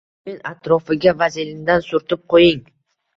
Bo’yin atrofiga vazelindan surtib qoying.